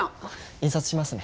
印刷しますね。